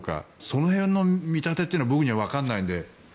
その辺の見立てというのは僕にはわからないので。